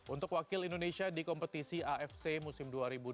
untuk wakil indonesia di kompetisi afc musim dua ribu dua puluh tiga dua ribu dua puluh empat